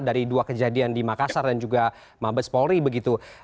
dari dua kejadian di makassar dan juga mabes polri begitu